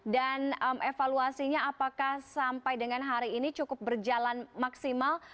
dan evaluasinya apakah sampai dengan hari ini cukup berjalan maksimal